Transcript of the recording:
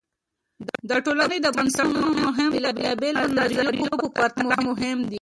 د ټولنې د بنسټونو فهم د بېلابیلو نظریو په پرتله مهم دی.